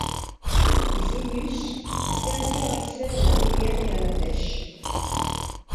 Les Innus perdirent accès à la rivière et à la pêche.